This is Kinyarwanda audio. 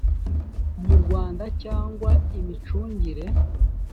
mu rwanda cyangwa imicungire